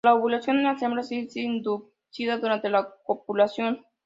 La ovulación en las hembras es inducida durante la copulación.